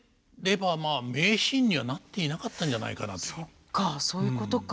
そっかそういうことか。